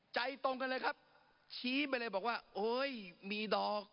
ใจตรงกันเลยครับชี้ไปเลยบอกว่าโอ้ยมีดอก